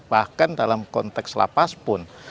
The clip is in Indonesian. bahkan dalam konteks lapas pun